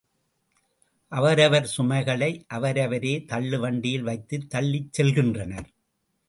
அவரவர் சுமைகளை அவரவரே தள்ளுவண்டியில் வைத்துத் தள்ளிச் செல்கின்றனர்.